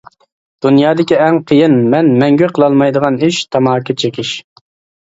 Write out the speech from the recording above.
دۇنيادىكى ئەڭ قىيىن مەن مەڭگۈ قىلالمايدىغان ئىش: تاماكا چېكىش.